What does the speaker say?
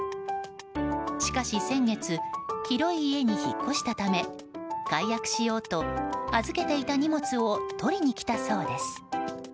しかし先月広い家に引っ越したため解約しようと、預けていた荷物を取りに来たそうです。